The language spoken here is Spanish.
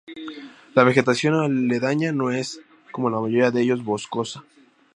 La vegetación aledaña no es, como en la mayoría de ellos, boscosa.